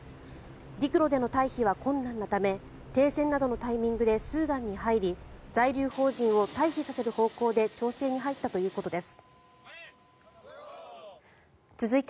陸路での退避は困難なため停戦などのタイミングでスーダンに入り在留邦人を退避させる方向で調整に入ったということです。